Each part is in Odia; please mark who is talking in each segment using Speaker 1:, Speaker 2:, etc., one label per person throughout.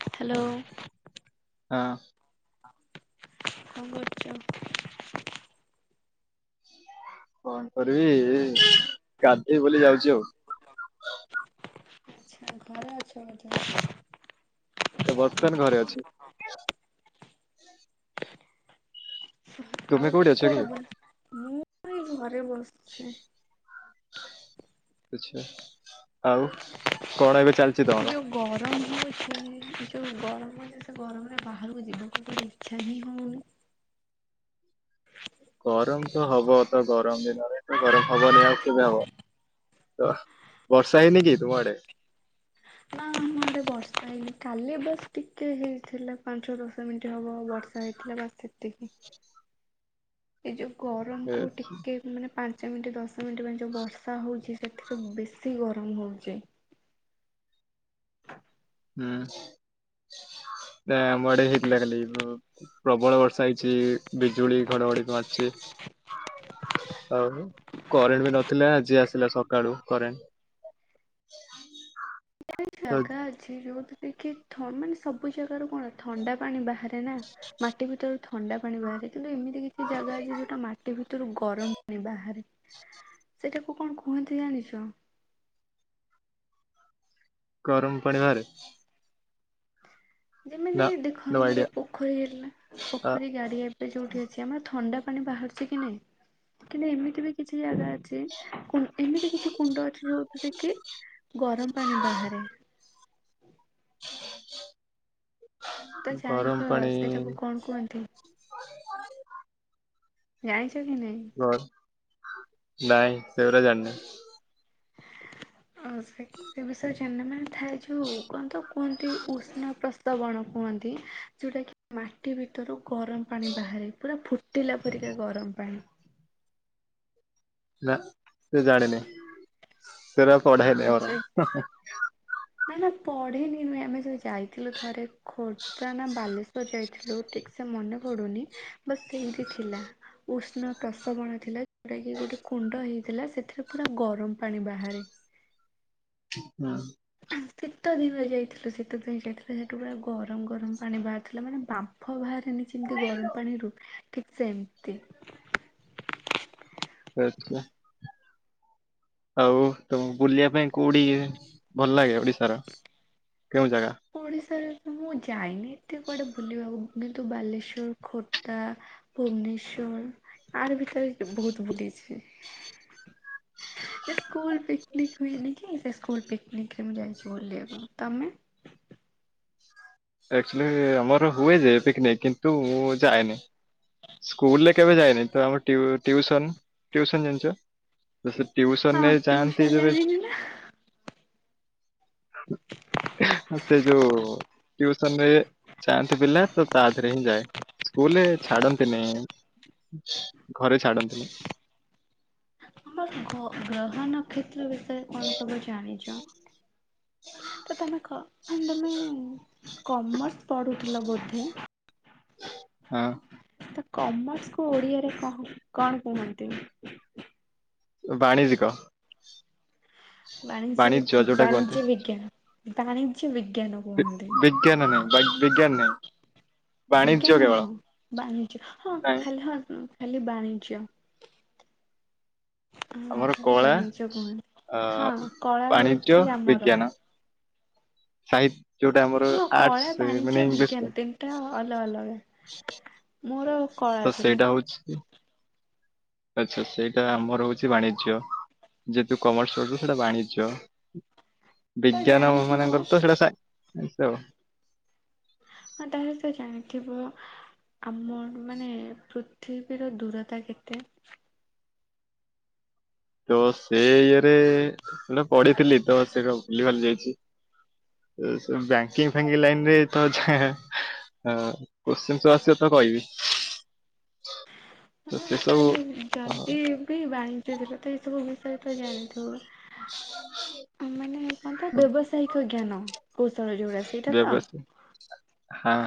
Speaker 1: ହ୍ୟାଲୋ।
Speaker 2: ହଁ।
Speaker 1: କଣ କରୁଛୁ?
Speaker 2: କଣ କରିବି ଏଇ ଗା ଏଇ ବୋଲି ଯାଉଛି ଆଉ।
Speaker 1: ଆଛା ଘରେ ଅଛ ବୋଧେ।
Speaker 2: ଏ ବର୍ତ୍ତମାନ ଘରେ ଅଛି। ତୁମେ
Speaker 1: ଆଉ
Speaker 2: କୋଉଠି ଅଛ କି?
Speaker 1: କୁଆଡେ ବୁଲି ମୁଁ ଏଇ ଘରେ ବସିଛି।
Speaker 2: ଆଛା ଆଉ କଣ ଏବେ ଚାଲ
Speaker 1: ଏ ଯୋଉ ଗରମ ହେଉଛି। ଯୋଉ ଗରମ ହେଉଛି ସେ ଗରମରେ ବାହାରକୁ ଯିବାକୁ ଇଚ୍ଛା ହିଁ ହଉନି।
Speaker 2: ଗରମ ତ ହବ ତ ଗରମ ଦିନରେ ତ ଗରମ ହବନି ଆଉ କେବେ ହବ। ତ ବର୍ଷା ହେଇନି କି ତୁମ ଆଡେ?
Speaker 1: ନା ଆମ ଆଡେ ବର୍ଷା ହେଇନି। କାଲି ବସ୍ ଟିକେ ହେଇଥିଲା ପାଞ୍ଚ ଦଶ ମିନିଟ୍ ହବ ବର୍ଷା ହେଇଥିଲା ବାସ୍ ସେତିକି। ହେ ଯୋଉ ଗରମ
Speaker 2: ଏ
Speaker 1: କୁ
Speaker 2: ହୁଁ
Speaker 1: ଟିକେ ମାନେ ପାଞ୍ଚ ସେମିତି ଦଶ ମିନିଟ ପାଇଁ ଯୋଉ ବର୍ଷା ହଉଛି ସେଥିରେ ବେଶି ଗରମ ହଉଚି।
Speaker 2: ହୁଁ ନା ଆମ ଆଡେ ହେଇଥିଲା ଖାଲି ଉ ପ୍ରବଳ ବର୍ଷା ହେଇଛି। ବିଜୁଳି ଘଡଘଡି ମାରିଛି, ଆଉ କରେଣ୍ଟ ବି ନଥିଲା ଆଜି ଆସିଲା ସକାଳୁ କରେଣ୍ଟ। ତ
Speaker 1: ଜାଗା ଅଛି ଯୋଉଥି ଟିକେ ଥ ମାନେ ସବୁ ଜାଗାରୁ କଣ ଥଣ୍ଡା ପାଣି ବାହାରେ। ନୀନା ମାଟି ଭିତରୁ ଥଣ୍ଡା ପାଣି ବାହାରେ। ଏମିତି କିଛି ଜାଗା ଅଛି ଯୋଉଟା ମାଟି ଭିତରୁ ଗରମ ପାଣି ବାହାରେ। ସେଟାକୁ କଣ କୁହନ୍ତି ଜାଣିଛ?
Speaker 2: ଗରମ ପାଣି ବାହାରେ
Speaker 1: ଯେମିତି
Speaker 2: ନା
Speaker 1: ଦେଖ
Speaker 2: ନୋ
Speaker 1: ଆମର
Speaker 2: ଆଇଡିଆ
Speaker 1: ପୋଖରୀ ହେଲା
Speaker 2: ଆ
Speaker 1: ପୋଖରୀ ଗାଡିଆ ଏବେ ଯୋଉଠି ହେଇଚି ଆମର ଥଣ୍ଡା ପାଣି ବାହାରୁଛି କି ନାଇଁ କିନେ ଏମିତି ବି କିଛି ଜାଗା ଅ ଛି କୁଣ୍ଡି ଏମିତି କିଛି କୁଣ୍ଡ ଅଛି ଯୋଉଥିରେ କି ଗରମ ପାଣି ବାହାରେ। ତ
Speaker 2: ଗରମ
Speaker 1: ଜାଣିଛ
Speaker 2: ପାଣି
Speaker 1: ସେଇଟାକୁ କଣ କୁହନ୍ତି? ଜାଣି ଛ କି ନାହିଁ?
Speaker 2: ଗର ନାଇଁ ସେଗୁଡ଼ା ଜାଣିନି।
Speaker 1: ଆଉ ସେ ସେ ବିଷୟରେ ଅନ୍ୟ ମାନେ ଥାଏ ଯୋଉ କଣ ତ କୁହନ୍ତି ଉଷ୍ଣ ପ୍ର ତ ବଣ କୁଅନ୍ତି ଯେଉଁଟାକି ମାଟି ଭିତରୁ ଗରମ ପାଣି ବାହାରେ ପୁରା ଫୁଟ ଫୁଟିଲା ପରି କା ଗରମ ପାଣି।
Speaker 2: ନା। ସେ ଜାଣିନି।
Speaker 1: ଆଚ୍ଛା
Speaker 2: [unintelligible]
Speaker 1: ନା ନା ପଢନି ନୁହେଁ ଆମେ ଯ ଯାଇଥିଲୁ ଥରେ ଖୋର୍ଦ୍ଧା ନା ବାଲେଶ୍ଵର ଯାଇଥିଲୁ ଠିକ ସେ ମନେ ପଡୁନି ବସ୍ ସେଇଠି ଥିଲା ଉଷ୍ଣ ପ୍ରସବଣ ଥିଲା। ସେଉଁଟା କି ଗୋଟେ କୁଣ୍ଡ ହେଇଛି। ଥିଲା ସେଥିରେ ପୁରା ଗରମ ପାଣି ବାହାରେ
Speaker 2: ହୁଁ।
Speaker 1: ଶୀତ ଦିନ ଯାଇଥିଲୁ ଶୀତ ଦିନ ଯାଇଥିଲଥିଲେ ସେଠୁ ପୁରା ଗରମ ଗରମ ପାଣି ବାହାରିଥିଲା ମାନେ ବାମ୍ଫ ବାହାରି ଆମେ ଆମିତି ଗରମ ପାଣିରୁ ଠିକ୍ ସେମତି [inaudible]
Speaker 2: ଆଚ୍ଛା। ଆଉ ତମ ବୁଲିବା ପାଇଁ କୋଉଠି ଭଲ ଲାଗେ ଓଡିଶାର? କେଉଁ ଜାଗା?
Speaker 1: ଓଡ଼ିଶରେ ମୁଁ ଯାଇନି। ଏତେ କୁଆଡେ ବୁଲିବାକୁ କିନ୍ତୁ ବାଲେଶ୍ଵର ଖୋର୍ଦ୍ଧା ଭୁବନେଶ୍ଵର ଆର ଭିତରେ ବହୁତ ବୁଲିଛି ସ୍କୁିକ ହୁଏନି କି ସେ ସ୍କୁଲ ପିକନିକ ମୁଁ ଯାଇଛି ବୁଲିବାକୁ ତମେ?
Speaker 2: ଆଚୁଲି ଆମର ହୁଏ ଯେ ପିକନିକ କିନ୍ତୁ ମୁଁ ଯାଏନି। ସ୍କୁଲ ରେ କେବେ ଯାଇନି ତ ଆମ ଟିଉସନ ଟିଉସନ ଜାଣିଛ? ତ ସେ ଟିଉସନ
Speaker 1: ହଁ
Speaker 2: ନେଇ ଯାଆନ୍ତି
Speaker 1: ଟ୍ୟୁସନ
Speaker 2: ଯେବେ
Speaker 1: ଜାଣିନି ନା
Speaker 2: ସେ ଯୋଉୁସନରେ ଚାଆନ୍ତି ପିଲା ତ ତା ଦେରେ ହିଁ ଯାଏ ସ୍କୁଲ ଛାଡନ୍ତି ମେନ ଘରେ ଛାଡନ୍ତିନି।
Speaker 1: ଆମର ଗ ଗ୍ରହ ନକ୍ଷତ୍ର ବିଷୟରେ କଣ ସବୁ ଜାଣିଛ? ତ ତମେ କହ କମର୍ସ ପଢ଼ୁଥିଲ ବୋଧେ?
Speaker 2: ହଁ।
Speaker 1: କମର୍ସ କୁ ଓଡିଆରେ କ କଣ କୁହନ୍ତି?
Speaker 2: ବାଣିଜିକ
Speaker 1: ବାଣିଜ୍ୟ
Speaker 2: ଯୋଉଟା କୁହନ୍ତି।
Speaker 1: ବାଣିଜ୍ୟ ବିଜ୍ଞାନ ବାଣିଜ୍ୟ ବି
Speaker 2: ବିଜ୍ଞାନ ନାଇ ବାଣି ବିଜ୍ଞାନ ନାହିଁ ବାଣିଜ୍ୟ
Speaker 1: ବିଜ୍ଞାନ
Speaker 2: କେବଳ
Speaker 1: ନୁହଁ ବାଣିିଜ ହଁ
Speaker 2: କାହିଁ
Speaker 1: ଖାଲି ହଁ ଖାଲି ବାଣିଜ୍ୟ। ହଁ
Speaker 2: ଆମର
Speaker 1: ଖାଲି
Speaker 2: କଳା
Speaker 1: ବାଣିଛ କୁହନ
Speaker 2: ଅ
Speaker 1: ହଁ କଳା
Speaker 2: ବାଣିଜ୍ୟ
Speaker 1: ହଉଛି ଆମର।
Speaker 2: ବିଜ୍ଞାନ ସାହିତ୍ୟ ଯୋଉଟା ଆମର
Speaker 1: ହଁ
Speaker 2: ଆର୍ଟସ
Speaker 1: କଳା
Speaker 2: ମାନେ
Speaker 1: ବାଣିଜ୍ୟ
Speaker 2: ଇଂଲିଶ
Speaker 1: ବିଜ୍ଞାନ ତିନିଟା ଅଲଗା ଅଲଗା ମୋର କଳା
Speaker 2: ତ
Speaker 1: ଥିଲା।
Speaker 2: ସେଇଟା ହଉଛି ଆଚ୍ଛା ସେଇଟା ଆମର ହଉଛି ବାଣିଜ୍ୟ ଯେହେତୁ କମର୍ସ କରଛୁ ସେଇଟା ବାଣିଜ୍ୟ।
Speaker 1: ତ
Speaker 2: ବିଜ୍ଞାନ
Speaker 1: ଜାଣିଥିବ
Speaker 2: ମାନଙ୍କର ତ ସେଇଟା ସା [unintelligible]
Speaker 1: ହଁ ତାହେଲେ ତ ଜାଣିଥିବ ଆମର ମାନେ ପୃ ପୃଥିବୀର ଦୂରତା କେତେ।
Speaker 2: ତ ସେ ଇଏରେ ପଢିଥିଲି ତ ସେ ଭୁଲିଭାଲି ଯାଇଛି ବଙ୍କିଙ୍ଗ ଫଙ୍କିଙ୍ଗ ଲାଇନରେ୍ଚ ଆସେତ କହିବି। ତ
Speaker 1: ହଁ
Speaker 2: ସେ
Speaker 1: ମୁଁ
Speaker 2: ସବୁ
Speaker 1: କହିଲି ଯଦି ବି ବାଞ୍ଚଞ୍ଚିଥିଲ ତ [unintelligible] ଏଥିରେ ତ ଜାଣିଥିବ
Speaker 2: [inaudible]
Speaker 1: [unintelligible] କନ ତ ବ୍ୟବସାୟିକ ଜ୍ଞାନ କୌଶ
Speaker 2: ବ୍ୟବ ହଁ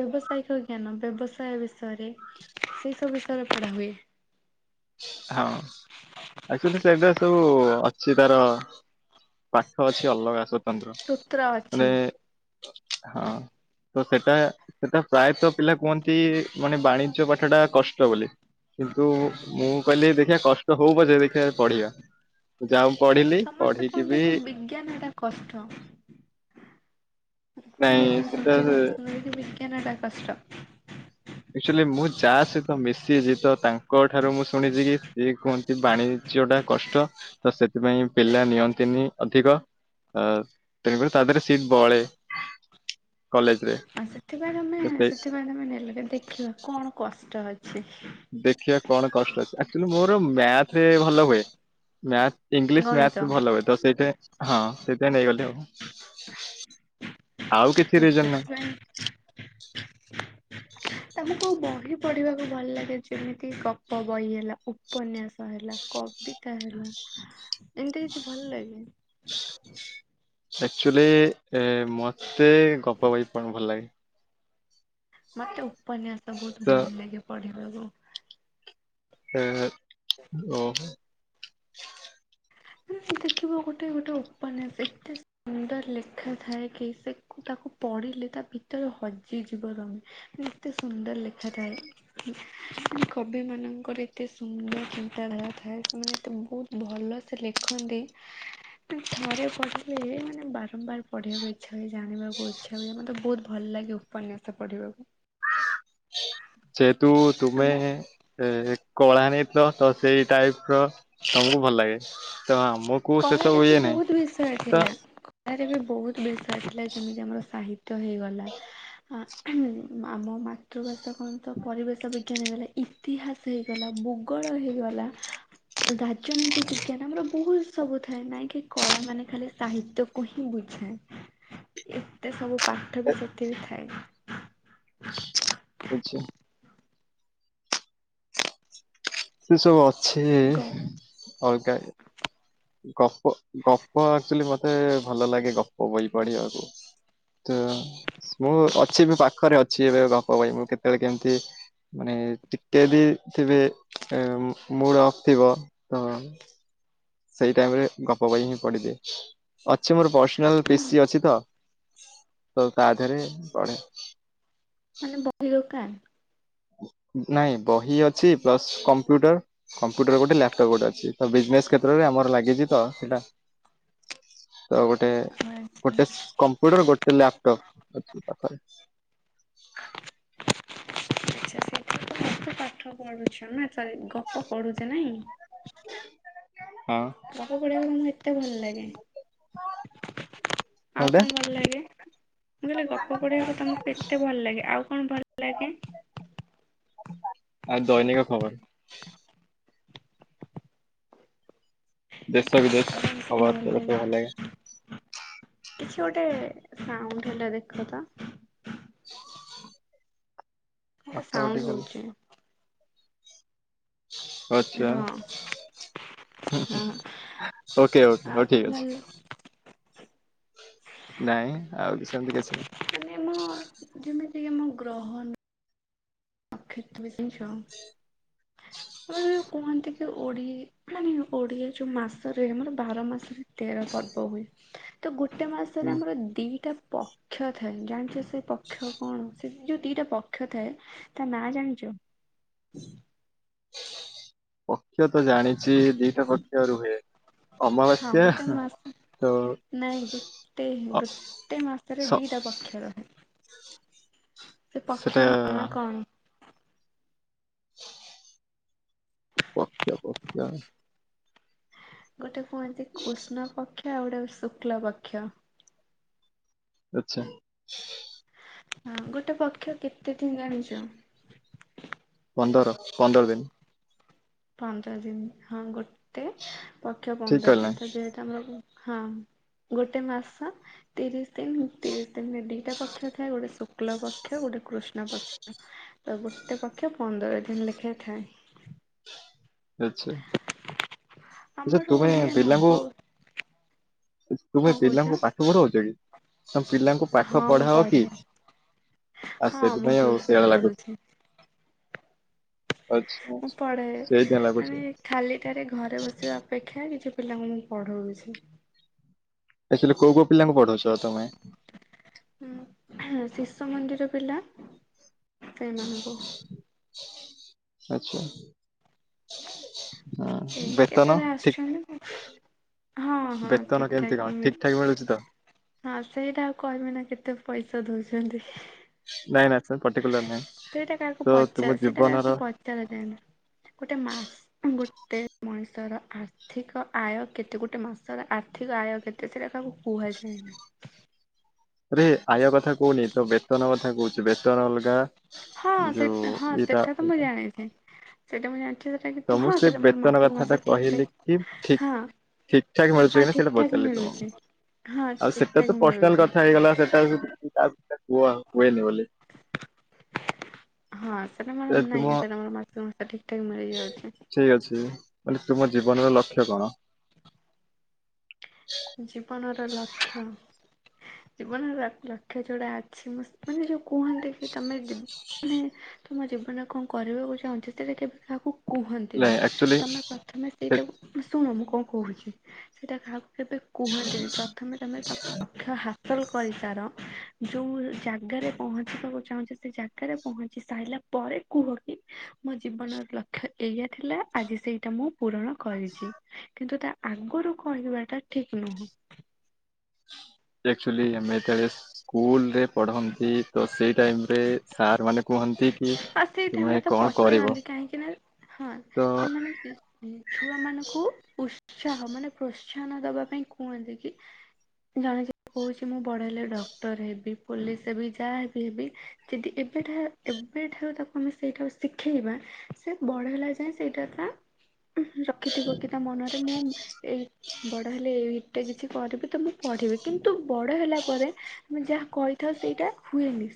Speaker 1: ବ୍ୟବସାୟିକ ଜ୍ଞାନ ବ୍ୟବସାୟ ବିଷୟରେ ସେଇ ସବୁ ବିଷୟରେ ପଢା ହୁଏ।
Speaker 2: ହଁ ଆଚୁଲି ସେଇଟା ସବୁ ଅଛି ତାର ପାଠ ଅଛି ଅଲଗା ସ ଜନ୍ତ୍ର
Speaker 1: ସୂତ୍ର ଅଛି
Speaker 2: ମାନେ ହଁ ତ ସେଟା ସେଟା ପ୍ରାୟତଃ ପିଲା କୁହନ୍ତି ମାନେ ବାଣୀ ବାଣିଜ୍ୟ ପାଠ ଟା କଷ୍ଟ ବୋଲି କିନ୍ତୁ ମୁଁ କହିଲି ଦେଖିବା କଷ୍ଟ ହଉ ପଛ ଦେଖିବା ପଢିବା ଯାଉ
Speaker 1: ସମସ୍ତେ କୁହନ୍ତି କି ବିଜ୍ଞାନ ଏଟା କଷ୍ଟ
Speaker 2: ନାଇଁ ସେଟା
Speaker 1: [unintelligible] ବିଜ୍ଞାନ ଟା କଷ୍ଟ
Speaker 2: ଆଚୁଆଲି ମୁଁ ଯା ସହିତ ମିଶିଛି ତ ତାଙ୍କ ଠାରୁ ମୁଁ ଶୁଣିଛି କି ସିଏ କୁହନ୍ତି ବାଣିଜ୍ୟ ଟା କଷ୍ଟ ତ ସେଥିପାଇଁ ପିଲା ନିଅନ୍ତିନି ଅଧିକ ତେଣୁକରି ତା ଦେହରେ ସିଟ ବଳେ କଲେଜ୍ ରେ
Speaker 1: ସେଥିପାଇଁ ତମେ ସେଥିପାଇଁ ତମେ ନେଲ କେ ଦେଖିବା କଣ କର କଷ୍ଟ ଅଛି।
Speaker 2: ଦେଖିବା କଣ କଷ୍ଟ ଅଛି ଆଚ୍ୟୁଆଲି ମୋର ମ୍ୟାଥ ରେ ଭଲ ହୁଏ ମ୍ୟା ଇଂଲିଶ
Speaker 1: ଗଣିତ
Speaker 2: ମ୍ୟାଥ ଭଲ ହୁଏ ତ ସେଇଠେ ହଁ। ସେ ନେଇଗଲି ଆଉ। ଆଉ କିଛି ରିଜନ
Speaker 1: ସେଥିପାଇଁ
Speaker 2: ନାହିଁ।
Speaker 1: ତମକୁ ବ ବହି ପଢିବାକୁ ଭଲ ଲାଗେ ଯେମିତି ଗପ ବହି ହେଲା ଉପନ୍ୟାସ ହେଲା କବିତା ହେଲା ଏମିତି କିଛି ଭଲ ଲାଗେ।
Speaker 2: ଆଚ୍ୟୁଆଲି ଏ ମତେ ଗପ ବହି ପଢିବାକୁ ଭଲ ଲାଗେ।
Speaker 1: ମତେ ଉପନ୍ୟାସ ବହୁତ
Speaker 2: ତ
Speaker 1: ଭଲ ଲାଗେ ପଢିବ ଆ
Speaker 2: ହୁଁ ହୁଁ। ଓହୋ।
Speaker 1: ସେ ଦେଖିବ ଗୋଟେ ଗୋଟେ ଉପନ୍ୟାସ ଏତେ ସୁନ୍ଦର ଲେଖା ଥାଏ କି ସେ କୁ ତାକୁ ପଢିଲେ ତା ଭିତରେ ହଜିଯିବ ତମେ ମ ଏତେ ସୁନ୍ଦର ଲେଖା ଥାଏ। କବି ମାନଙ୍କ ଙ୍କର ଏତେ ସୁନ୍ଦର ଚିନ୍ତାଧାରା ଥାଏ ସେମାନେ ଏତେ ବହୁତ ଭଲ ଲେଖନ୍ତି ଥରେ ପଢିଲେ ମାନେ ବାରମ୍ବାର ପଢିବାକୁ ଇ ଇଛା ଜାଣିବାକୁ ଇଚ୍ଛା ହୁଏ ମତେ ବହୁତ ଭଲ ଲାଗେ ଉପନ୍ୟାସ ପଢିବାକୁ।
Speaker 2: ହ ଯେହେତୁ ତୁମେ
Speaker 1: ଆମ
Speaker 2: କଳାରେ ତ ସଜେଇ ଟାଇପ୍ ର ସବୁ ଭଲ ଲାଗେ। ତଁ ମୁ କ ସେ ତ
Speaker 1: କଳାରେ
Speaker 2: ହୁଏ ନାହିଁ
Speaker 1: ବିଷୟ
Speaker 2: ତ
Speaker 1: ଥିଲା ରେ ବି ବହୁତ ବି ଥିଲା ଯେମିତି ଆମର ସାହିତ୍ୟ ହେଇଗଲା ଆ ହଁମ୍ ଆମ ମାତୃଭାଷା କଣ ତ ପରିବେଷବିଜ୍ଞାନ ହେଇଗଲା ଇତିହାସ ହେଇଗଲା, ଭୂଗୋଳ ହେଇଗଲା ରାଜନୀତିବିଜ୍ଞାନ ଆମର ବହୁତ ସ ସବୁ ଥାଏ ନାଇଁ କି କଳା ମାନେ ଖାଲି ସାହିତ୍ୟକୁ ହିଁ ବୁଝାଏ ଏତେ ସବୁ ପାଠ ବି ସେତିକି ଥାଏ।
Speaker 2: ଆଛା। ସେ ସବୁ ଅ ଛି
Speaker 1: ଗ
Speaker 2: ଅଲଗା ଗପ ଗପ ଆକଚ୍ୟୁଆଲି ମତେ ଭଲ ଲାଗେ ଗପ ବହି ପଢିବାକୁ ତ ମୁଁ ଅଛି ବି ପାଖରେ ଅଛି ଏବେ ଗପ ବହି ମୁଁ କେତେବେଳେ କେମିତି ମାନେ ଟିକେ ବି ଥିବେ ମୁଡ ଅଫ ଥିବ ତ ସେଇ ଟାଇମ ରେ ଗପ ବହୁ ହିଁ ପଢିଦିଏ। ଅଛି ମୋର ପର୍ସନାଲ
Speaker 1: ହଁ
Speaker 2: ପିିସି ଅଛି ତ ତ ତାଧିରେ ପଢେ।
Speaker 1: ମାନେ ବହିି ଦୋକାନ
Speaker 2: ନାଇଁ ବହି ଅଛି ପ୍ଲସ କମ୍ପ୍ୟୁଟର କମ୍ପ୍ୟୁଟର ଗୋଟେ ଲାପଟପ ଗୋଟେ ଅଛି ତ ବିଜନେସ କ୍ଷେତ୍ରରେ ଆମର ଲାଗିଛି ତ ସେଇଟା ତ ଗୋଟେ ଗୋଟେ
Speaker 1: ଆଚ୍ଛା
Speaker 2: କମ୍ପ୍ୟୁଟର ଗୋଟେ ଲାପଟପ୍ [unintelligible]
Speaker 1: ଆଛା ସେଇଥି ତ ଏତ ପାଠ ପଢୁଛ ନା ସ ଗପ ପଢୁଛେ ନାଇଁ
Speaker 2: ହଁ
Speaker 1: ଗପ ପଢିବାକୁ ତମକୁ ଏତେ ଭଲ ଲାଗେ ଆଉ
Speaker 2: କୋଉଟା
Speaker 1: କଣ ଭଲ ଲାଗେ? ମୁ କହିଲି ଗପ ପଢିବାକୁ ତମକୁ ଏତେ ଭଲ ଲାଗେ ଆଉ କଣ ଭଲ ଲାଗେ?
Speaker 2: ଆ ଦୈନିକ ଖବର ଦେଶ ବିଦେଶ
Speaker 1: ଆଉ କଣ ସବୁ
Speaker 2: ଖବର ମୋତେ ଭଲ ଲାଗେ
Speaker 1: କିଛି ଗୋଟେ ସାଉଣ୍ଡ ହେଲା ଦେଖ ତ
Speaker 2: [unintelligible]
Speaker 1: ସାଉଣ୍ଡ
Speaker 2: ଅଟୋମେଟିକାଲି।
Speaker 1: ହଉଛି
Speaker 2: ଆଛା
Speaker 1: ହଁ ହଁ
Speaker 2: ଓକେ ଓକେ
Speaker 1: ଆଉ
Speaker 2: ହଉ
Speaker 1: କଣ ଭଲ
Speaker 2: ଠିକ ଅଛି ନାଇଁ ଆଉ ସେମତି କିଛି ନାହିଁ
Speaker 1: [unintelligible] ଯେମିତି ମୁଁ ଗ୍ରହଣ [unintelligible] ଛା ଆମର ଯଉ କୁହନ୍ତି କି ଓଡି ମାନେ ଓଡିଆ ଯୋଉ ମାସରେ ଆମର ବାର ମାସରେ ତେର ପର୍ବ ହୁଏ ତ ଗୋଟେ ଗୋଟେ ମାସରେ
Speaker 2: ମୁଁ
Speaker 1: ଆମର ଦିଟା- ପକ୍ଷ ଥାଏ ଜାଣିଛ ସେ- ପକ୍ଷ କଣ ସେ ଯୋଉ ଦିଟା ପକ୍ଷ ଥାଏ ତା ନାଁ ଜାଣିଛ
Speaker 2: ପକ୍ଷ ତ ଜାଣିଛି ଦିଟା ପକ୍ଷ ରୁହେ
Speaker 1: ହଁ
Speaker 2: ଅମାବାସ୍ୟା
Speaker 1: ଗୋଟେ ମାସ
Speaker 2: ତ
Speaker 1: ନାଇଁ ଗୋଟେ
Speaker 2: ଅ
Speaker 1: ଗୋଟେ ମାସରେ
Speaker 2: ସ
Speaker 1: ଦିଟା ପକ୍ଷ ରହେ ସେ
Speaker 2: ସେଟା
Speaker 1: ପକ୍ଷର ନାଁ କଣ?
Speaker 2: ପକ୍ଷ ପକ୍ଷ
Speaker 1: ଗୋଟେ ହୁହନ୍ତି କୃଷ୍ଣ ପକ୍ଷ ଆଉଗୋଟେ ଶୁକ୍ଲାପକ୍ଷ
Speaker 2: ଆଛା।
Speaker 1: ହଁ ଗୋଟେ ପକ୍ଷ କେତେ ଦିନ ଜାଣିଛ।
Speaker 2: ପନ୍ଦର ପନ୍ଦର ଦିନ।
Speaker 1: ପାଞ୍ଚଞ୍ଚ ଦିନ ହଁ ଗୋଟେ ଗୋେ ପକ୍ଷ
Speaker 2: ଠିକ
Speaker 1: ପନ୍ଦର
Speaker 2: କହିଲି ନା?
Speaker 1: ଜିନିଷ ଯେହେତୁ ଆମର ହଁ ଗୋଟେ ମାସ ତିରିଶ ତିନ ତିନ ଦିଟା ପକ୍ଷ ଥାଏ ଗୋଟେ ଶୁକ୍ଲ ପକ୍ଷ ଗୋଟେ କୃଷ୍ଣ ପକ୍ଷ ତ ଗୋଟେ ପକ୍ଷ ପନ୍ଦର ଦିନ ଲେଖା ଥାଏ।
Speaker 2: ଆଛା।
Speaker 1: ଆମର ଓଡିଆ ନବ
Speaker 2: ତୁମେ
Speaker 1: କଣ କହୁଛ?
Speaker 2: ପିଲାଙ୍କୁ ପାଠ ପଢଉଛ କି? ତ ପିଲାଙ୍କୁ ପାଠ
Speaker 1: ହଁ ମୁଁ
Speaker 2: ପଢାଅ କି
Speaker 1: ପଢେ
Speaker 2: ଆଉ
Speaker 1: ହଁ ମୁଁ
Speaker 2: ସେଥିପାଇଁ ଆଉ
Speaker 1: ଟିଉସନ
Speaker 2: ଶିଆଳ ଲାଗୁଛି।
Speaker 1: କରୁଛି
Speaker 2: ଆଚ୍ଛା।
Speaker 1: ମୁଁ ପଢେ
Speaker 2: ସେଇଥିପାଇଁ ଲାଗୁଛି
Speaker 1: ମାନେ ଖାଲି ଟାରେ ଘରେ ବସିବା ଅପେକ୍ଷା କିଛି ପିଲାଙ୍କୁ ମୁଁ ପଢଉଛି।
Speaker 2: ଆକଚ୍ୟୋଲି କୋଉ କୋଉ ପିଲାଙ୍କୁ ପଢୋଉଚ ତମେ?
Speaker 1: ଉଁ ହେଁ ଶିସୁ ମନ୍ଦିର ପିଲା ସେଇ ମାନଙ୍କୁ
Speaker 2: ଆଚ୍ଛା।
Speaker 1: ସେଇ
Speaker 2: ହଁ ବେତନ
Speaker 1: କେତେବେଳେ
Speaker 2: ଠିକ
Speaker 1: ଆସୁଚନ୍ତି ମୁ ହଁ ହଁ
Speaker 2: ବେତନ
Speaker 1: ଠିକ୍
Speaker 2: କେମିତି
Speaker 1: ଠାକ୍
Speaker 2: କଣ
Speaker 1: ମି
Speaker 2: ଠିକ ଠାକ ମିଳୁଛି ତ?
Speaker 1: ହଁ ସେଇଟା ଆଉ କହିବି ନା କେତେ ପଇଷା ଦୋଉଚନ୍ତି।
Speaker 2: ନାଇଁ ନା ସେ ପର୍ଟିକୁଲାର ନାଇଁ
Speaker 1: ସେଇଟା କାହାକୁ
Speaker 2: ତ ତୁମ
Speaker 1: ପଚାର ସେଇଟା
Speaker 2: ଜୀବନର
Speaker 1: କାହାକୁ ପଚାରାଯାଏନା ଗୋଟେ ମା ଗୋ ଗୋଟେ ମଣିଷର ଆର୍ଥିକ ଆୟ କେତେ ଗୋଟେ ମାସର ଆର୍ଥିକ ଆୟ କେତେ ସେରା କାହାକୁ କୁହାଯାଏନା।
Speaker 2: ଆରେ ଆୟ କଥା କୋହୁନି ତୋ ବେତନ କଥା କୋହୁଚି ବେତନ ଅଲଗା
Speaker 1: ହଁ
Speaker 2: ଯୋଉ
Speaker 1: ସେଟା ହଁ
Speaker 2: ଏଇଟା
Speaker 1: ସେଟା ତ ମୁଁ
Speaker 2: ଅଲଗା।
Speaker 1: ଜାଣିଚି ସେଟା ମୁଁ ଜାଣିଚି ଯେ
Speaker 2: ତ ମୁଁ ସେ ବେତନ କଥା ଟା କହିଲି କି ଠିକ୍
Speaker 1: ହଁ
Speaker 2: ଠିକ୍ ଠାକ୍ ମିଳୁଚି
Speaker 1: ହଁ
Speaker 2: କି ନାଁଇ
Speaker 1: ଠିକ
Speaker 2: ସେଇଟା
Speaker 1: ଠାକ୍
Speaker 2: ପଚାରିଲି
Speaker 1: ମିଳୁଛି ହଁ
Speaker 2: ତମକୁ ଆଉ
Speaker 1: ଠିକ
Speaker 2: ସେଟା
Speaker 1: ଠାକ୍
Speaker 2: ତ ପର୍ସନାଲ
Speaker 1: ମିଳୁଛି।
Speaker 2: କଥା ହେଇଗଲା ସେଟା କୁ ତା
Speaker 1: ହଁ ସେଟା ମୋର ନାଁଇ ସେଟା ମୋର ମାସକୁ ମାସ ଠିକ୍ ଠାକ୍ ମିଳି
Speaker 2: ଠିକ୍ ଅଛି। ମାନେ ତୁମ ଜୀବନର ଲକ୍ଷ୍ୟ କଣ?
Speaker 1: ଜୀବନର ଲକ୍ଷ୍ୟ ଜୀବନର ଲକ୍ଷ୍ୟ ଯୋଉଟା ଅଛି ମୁଁ ମାନେ ଯୋଉ କୁହନ୍ତି କି ତମେ ମାନେ ତମ ଜୀବନରେ କଣ କରିବାକୁ ଚାହୁଁଛ ସେଟା କେବେ କାହାକୁ-
Speaker 2: ନାଇଁ
Speaker 1: କୁହନ୍ତିନି
Speaker 2: ଆକ୍ଚୁଆଲି
Speaker 1: ତମେ ପ୍ରଥମେ ସେଇଟାକୁ ଶୁଣ କଣ କହୁଛି ସେଇଟା କାହାକୁ- ଏବେ କୁହନ୍ତିନି ପ୍ରଥମେ ତମେ ତମ ଲକ୍ଷ୍ୟ ହା - ହାସଲ କରିସାର ଯେଉ ଜାଗାରେ ପହଞ୍ଚିବାକୁ ଚାହୁଁଛି ସେ ଜାଗାରେ ପହଞ୍ଚି ସାରିଲା ପରେ କୁହ କି ମୋ ଜୀବନର ଲକ୍ଷ୍ୟ ଏଇଆ ଥିଲା ଆଜି ସେଇଟା ମୁଁ ପୂରଣ- କରିଛି କିନ୍ତୁ ତା- ଆଗରୁ କହିବାଟା- ଠିକ ନୁହଁ
Speaker 2: ଆକଚୁଲି ଆମେ ଯେତେବେଳେ ସ୍କୁଲରେ ପଢନ୍ତି ତ ସେଇ ଟାଇମ ରେ ସାର୍ ମାନେ କୁହନ୍ତି କି
Speaker 1: ଆଉ ସେଇ ଟାଇମ ରେ
Speaker 2: ତୁମେ
Speaker 1: ତ
Speaker 2: କଣ କରିବ
Speaker 1: ପଚାରନ୍ତି କାହିଁକି ନା ହଁ
Speaker 2: ତ
Speaker 1: ସେମାନେ ଛୁଆ ମାନଙ୍କୁ ଉତ୍ସାହ ମାନେ ପ୍ର- ଉଛାନ ଦବା ପାଇଁ କୁହନ୍ତି କି ଜଣେ ଯ କହୁଛି ମୁଁ ବଡ ହେଲେ ଡକ୍ଟର ହେବି ପୋଲିସ ହେବି ଯାହାବି ହେବି ଯଦି ଏବେଟା ଉ ତାକୁ ଆମେ ସେଇଟା ଶିଖେଇବା ସେ ବଢ ହେଲା ଯାଏଁ ସେଇଟା ତା ରଖିଥିବ କି ତା ମନରେ ମୁଁ ଏଇ ବଡ ହେଲେ ଏ ଏଟା କିଛି କରିବି ତ ମୁଁ ପଢିବି କିନ୍ତୁ ବଡ ହେଲା ପରେ ଆମେ ଯାହା କରିଥାଉ ସେଇଟା ହୁଏନି।